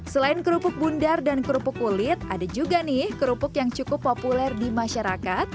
selain kerupuk bundar dan kerupuk kulit ada juga nih kerupuk yang cukup populer di masyarakat